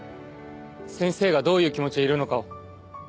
先生がどういう気持ちでいるのかを。